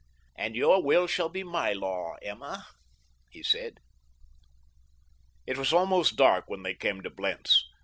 "And your will shall be my law, Emma," he said. It was almost dark when they came to Blentz.